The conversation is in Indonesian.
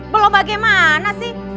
belom bagaimana sih